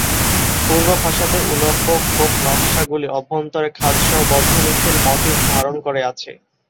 পূর্ব ফাসাদে উল্লম্ব খোপনকশাগুলি অভ্যন্তরে খাজসহ বদ্ধখিলান মটিফ ধারণ করে আছে।